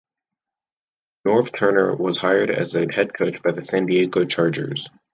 Norv Turner was hired as the head coach by the San Diego Chargers.